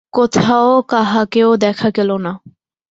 কোথাও কাহাকেও দেখা গেল না।